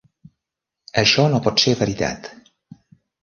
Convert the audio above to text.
Això no pot ser veritat.